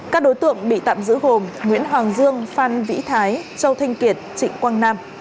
các đối tượng bị tạm giữ gồm nguyễn hoàng dương phan vĩ thái châu thanh kiệt trịnh quang nam